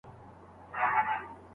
يوازي زه يمه چې ستا په حافظه کې نه يم